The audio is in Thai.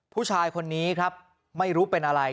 ผู้ชายคนนี้ครับไม่รู้เป็นอะไร